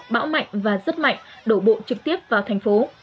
bão mạnh và rất mạnh đổ bộ trực tiếp vào thành phố